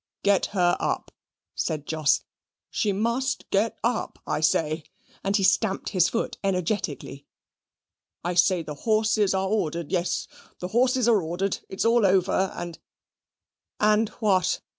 "Get her up," said Jos; "she must get up, I say": and he stamped his foot energetically. "I say the horses are ordered yes, the horses are ordered. It's all over, and " "And what?"